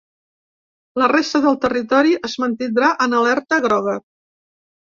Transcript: La resta del territori, es mantindrà en alerta groga.